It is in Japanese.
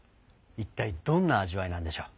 一体どんな味わいなんでしょう。